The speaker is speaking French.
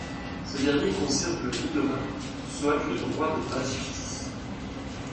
Ce dernier conserve le vidomat, soit le droit de basse justice.